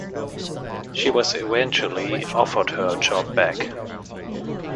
She was eventually offered her job back.